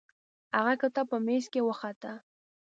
هغه کتاب په میز کې وخته.